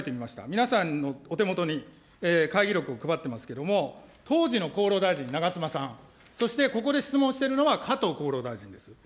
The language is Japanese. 皆さんのお手元に会議録を配ってますけれども、当時の厚労大臣、ながつまさん、そしてここで質問してるのは加藤厚労大臣です。